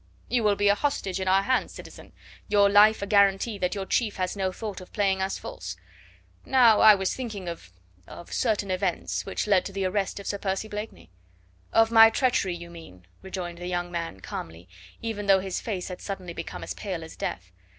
"You will be a hostage in our hands, citizen; your life a guarantee that your chief has no thought of playing us false. Now I was thinking of of certain events which led to the arrest of Sir Percy Blakeney." "Of my treachery, you mean," rejoined the young man calmly, even though his face had suddenly become pale as death.